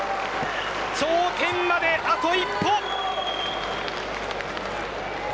頂点まであと一歩。